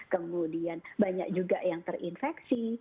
kemudian banyak juga yang terinfeksi